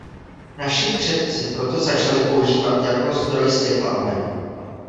Naši předci proto začali používat jako zdroj světla oheň.